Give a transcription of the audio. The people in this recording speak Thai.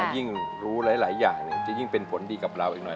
ยิ่งรู้หลายอย่างจะยิ่งเป็นผลดีกับเราอีกหน่อย